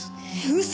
嘘！